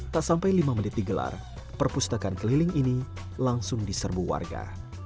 tak sampai lima menit digelar perpustakaan keliling ini langsung diserbu warga